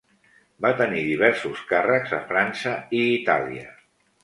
Va tenir diversos càrrecs a França i Itàlia.